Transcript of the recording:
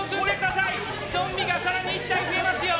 ゾンビが更に１体増えますよ！